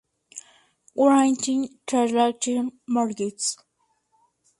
Writing, Translation, Markets".